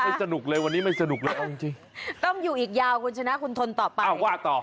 สนุกเลยวันนี้ไม่สนุกเลยเอาจริงต้องอยู่อีกยาวคุณชนะคุณทนต่อไปอ้าวว่าต่อ